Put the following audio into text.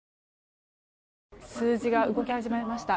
数字が動き始めました。